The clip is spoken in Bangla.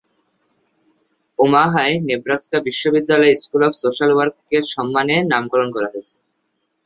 ওমাহায় নেব্রাস্কা বিশ্ববিদ্যালয়ে স্কুল অফ সোশ্যাল ওয়ার্ক তার সম্মানে নামকরণ করা হয়েছে।